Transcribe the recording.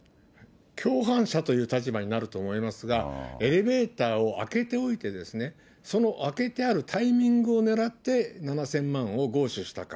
共犯者という立場になると思いますが、エレベーターを開けておいて、その開けてあるタイミングを狙って、７０００万を強取したか。